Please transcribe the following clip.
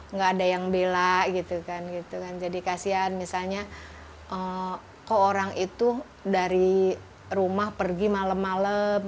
nggak ada yang bela gitu kan gitu kan jadi kasihan misalnya kok orang itu dari rumah pergi malam malam